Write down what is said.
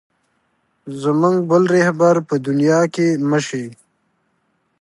زموږ بل رهبر په دنیا کې مه شې.